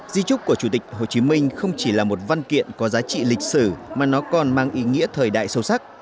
di trúc của chủ tịch hồ chí minh không chỉ là một văn kiện có giá trị lịch sử mà nó còn mang ý nghĩa thời đại sâu sắc